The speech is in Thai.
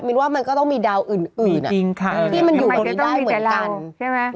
มินว่ามันก็ต้องมีดาวอื่นนี่มันอยู่ตรงนี้ได้เหมือนกัน